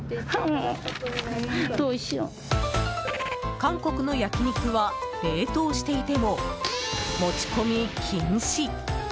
韓国の焼き肉は冷凍していても、持ち込み禁止。